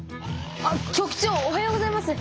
あっ局長おはようございます。